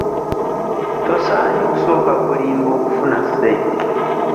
Tosaanye kusooka kulimba okufuna ssente.